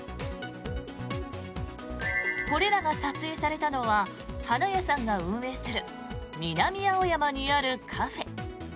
これらが撮影されたのは花屋さんが運営する南青山にあるカフェ。